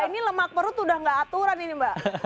ini lemak perut udah gak aturan ini mbak